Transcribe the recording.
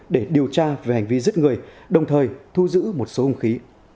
để điều tra về hành vi giết người đồng thời thu giữ một số hùng khí